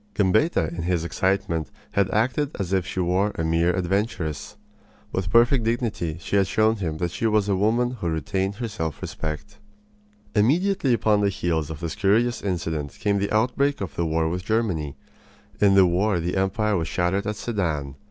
Gambetta in his excitement had acted as if she were a mere adventuress. With perfect dignity she had shown him that she was a woman who retained her self respect. Immediately upon the heels of this curious incident came the outbreak of the war with Germany. In the war the empire was shattered at Sedan.